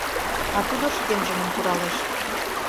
А тудо шкенжыным «куралеш»: